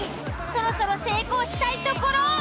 そろそろ成功したいところ。